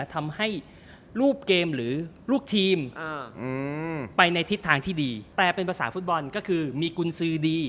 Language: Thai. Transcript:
ทำให้รูปเกมหรือลูกทีมไปในทิศทางที่ดีแปลเป็นภาษาฟุตบอลก็คือมีกุญสือดี